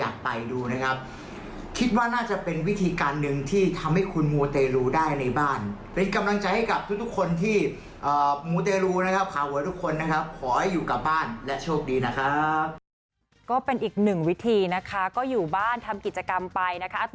ก็เป็นอีกหนึ่งวิธีนะคะก็อยู่บ้านทำกิจกรรมไปนะคะ